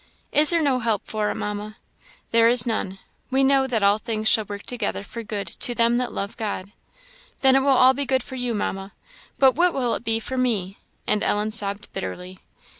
"Is there no help for it, Mamma?" "There is none. We know that all things shall work together for good to them that love God." "Then it will be all good for you, Mamma but what will it be for me?" And Ellen sobbed bitterly.